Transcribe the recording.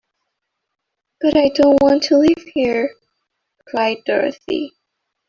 "But I don't want to live here," cried Dorothy.